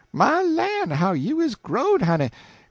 "My lan', how you is growed, honey!